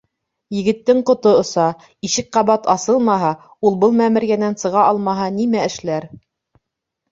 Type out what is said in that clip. Егеттең ҡото оса, ишек ҡабат асылмаһа, ул был мәмерйәнән сыға алмаһа, нимә эшләр?